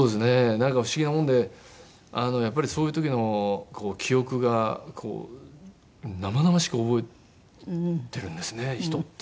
何か不思議なものでやっぱりそういう時の記憶が生々しく覚えてるんですね人って。